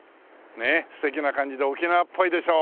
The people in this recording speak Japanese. ねえ素敵な感じで沖縄っぽいでしょ。